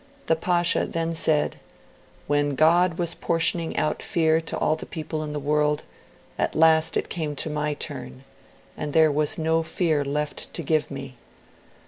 The Pasha then said, "When God was portioning out fear to all the people in the world, at last it came to my turn, and there was no fear left to give me.